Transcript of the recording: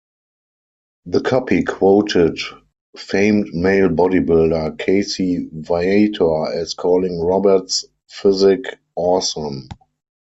The copy quoted famed male bodybuilder Casey Viator as calling Roberts physique awesome.